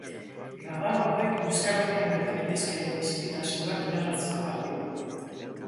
Radar horrek Euskal Herrian gerta litezkeen prezipitazioak iragartzeko balio du.